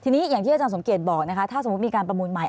ทีนี้อย่างที่อาจารย์สมเกียจบอกนะคะถ้าสมมุติมีการประมูลใหม่